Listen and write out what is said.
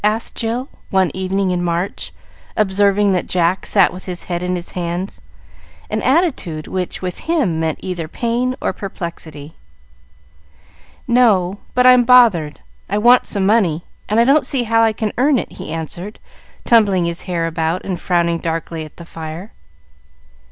asked Jill, one evening in March, observing that Jack sat with his head in his hands, an attitude which, with him, meant either pain or perplexity. "No; but I'm bothered. I want some money, and I don't see how I can earn it," he answered, tumbling his hair about, and frowning darkly at the fire.